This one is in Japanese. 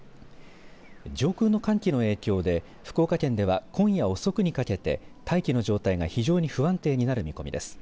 上空の寒気の影響で福岡県では、今夜遅くにかけて大気の状態が非常に不安定になる見込みです。